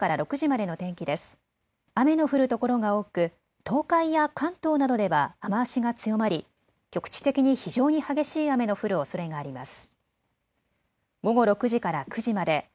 雨の降る所が多く東海や関東などでは雨足が強まり局地的に非常に激しい雨の降るおそれがあります。